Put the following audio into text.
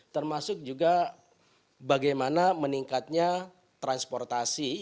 termasuk juga bagaimana meningkatnya transportasi